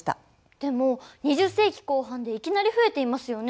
でも２０世紀後半でいきなり増えていますよね。